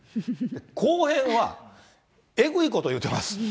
後編はえぐいこと言うてます。